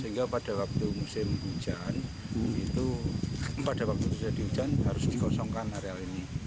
sehingga pada waktu musim hujan itu pada waktu terjadi hujan harus dikosongkan area ini